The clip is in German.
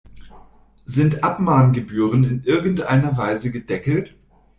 Sind Abmahngebühren in irgendeiner Weise gedeckelt?